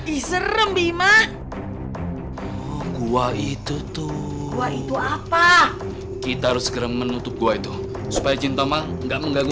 isrem bima gua itu tuh gua itu apa kita harus menutup gua itu supaya jintomang enggak mengganggu